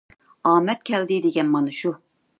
ئامەت كەلدى دېگەن مانا شۇ!